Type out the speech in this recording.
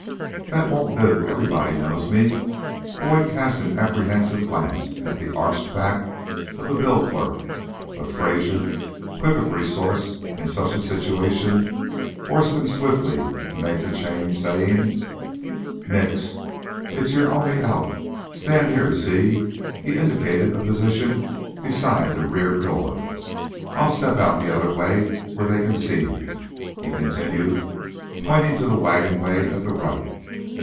"That won't do. Everybody knows me." Boyd cast an apprehensive glance at the arched back of the bill clerk, but Fraser, quick of resource in such a situation, forced him swiftly to make the change, saying: "Nix. It's your only 'out.' Stand here, see!" He indicated a position beside the rear door. "I'll step out the other way where they can see me," he continued, pointing to the wagon way at the right.